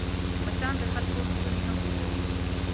مچان د خلکو ستونی هم خوږوي